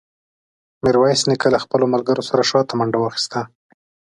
ميرويس نيکه له خپلو ملګرو سره شاته منډه واخيسته.